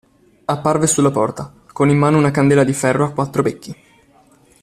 Apparve sulla porta, con in mano una candela di ferro a quattro becchi.